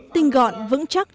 tinh gọn vững chắc